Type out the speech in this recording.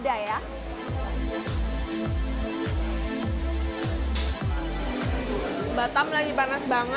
udah tahu yang ada siasat siasatnya di bawah the coburnya